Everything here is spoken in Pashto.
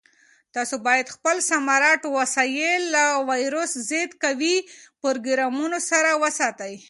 تاسو باید خپل سمارټ وسایل له ویروس ضد قوي پروګرامونو سره وساتئ.